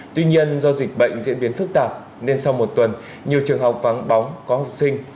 tuy nhiên do dịch bệnh diễn biến phức tạp nên sau một tuần nhiều trường học vắng bóng có học sinh